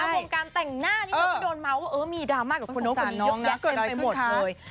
วงการแต่งหน้านี่เขาก็โดนเมาส์ว่ามีดราม่ากับคนนู้นคนนี้เยอะแยะเต็มไปหมดเลย